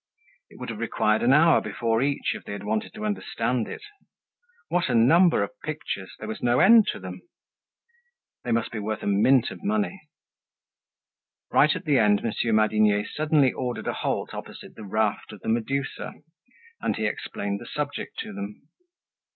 It would have required an hour before each, if they had wanted to understand it. What a number of pictures! There was no end to them. They must be worth a mint of money. Right at the end, Monsieur Madinier suddenly ordered a halt opposite the "Raft of the Medusa" and he explained the subject to them.